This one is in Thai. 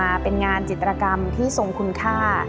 มาเป็นงานจิตรกรรมที่ทรงคุณค่า